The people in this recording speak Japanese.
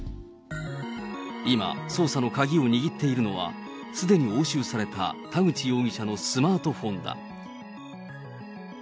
今、捜査の鍵を握っているのは、すでに押収された田口容疑者のスマートフォンだ。